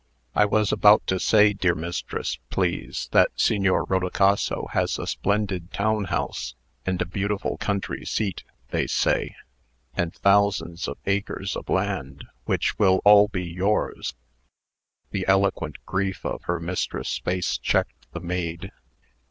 "I was about to say, dear mistress, please, that Signor Rodicaso has a splendid town house, and a beautiful country seat (they say), and thousands of acres of land, which will all be yours " The eloquent grief of her mistress's face checked the maid.